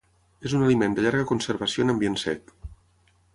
És un aliment de llarga conservació en ambient sec.